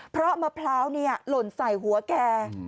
เพราะมะพร้าวหล่นใส่หัวแก